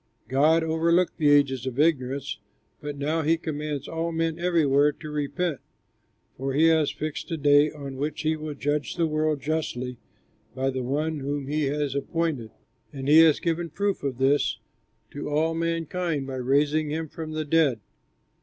God overlooked the ages of ignorance, but now he commands all men everywhere to repent, for he has fixed a day on which he will judge the world justly by the one whom he has appointed, and he has given proof of this to all mankind by raising him from the dead."